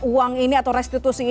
uang ini atau restitusi